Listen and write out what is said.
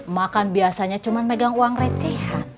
ma kan biasanya cuma megang uang recehat